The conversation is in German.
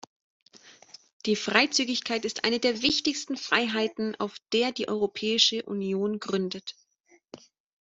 Die Freizügigkeit ist eine der wichtigsten Freiheiten, auf der die Europäische Union gründet.